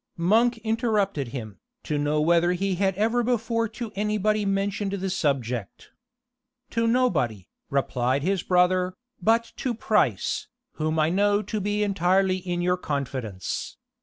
Monk interrupted him, to know whether he had ever before to any body mentioned the subject. "To nobody," replied his brother, "but to Price, whom I know to be entirely in your confidence."